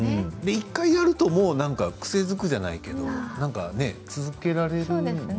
１回やると癖がつくじゃないけれど続けられるんですかね。